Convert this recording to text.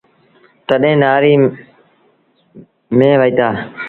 تڏهيݩ نآري ميݩ وهيٚتآ۔